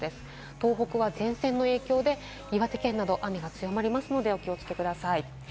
東北は前線の影響で岩手県など雨が強まりますのでお気をつけください。